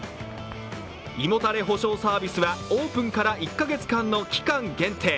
胃もたれ保証サービスはオープンから１カ月間の期間限定。